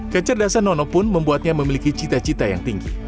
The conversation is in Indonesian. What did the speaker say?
kecerdasan nono pun membuatnya memiliki cita cita yang tinggi